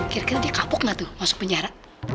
kira kira dikapuk gak tuh masuk penjara